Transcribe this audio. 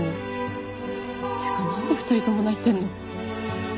てか何で２人とも泣いてんの？